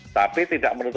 tapi tidak menurutku